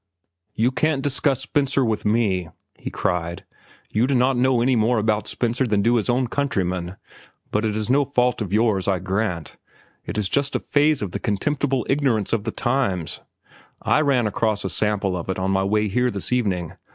"You can't discuss Spencer with me," he cried. "You do not know any more about Spencer than do his own countrymen. But it is no fault of yours, I grant. It is just a phase of the contemptible ignorance of the times. I ran across a sample of it on my way here this evening.